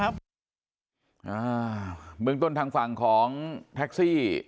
เมืองต้นทางฝั่งของแท็กซี่